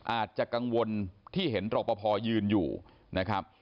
อาจจะกังวลที่เห็นรอปภยืนอยู่นะครับ